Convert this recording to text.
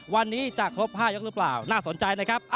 วันนี้จะครบ๕ยกหรือเปล่าน่าสนใจนะครับ